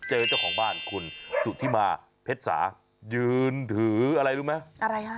เจ้าของบ้านคุณสุธิมาเพชรสายืนถืออะไรรู้ไหมอะไรฮะ